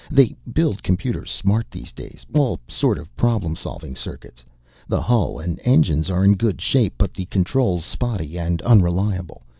They build computers smart these days, all sort of problem solving circuits. The hull and engines are in good shape but the controls spotty and unreliable.